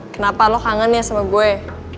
kenapa lo kangen ya sama gue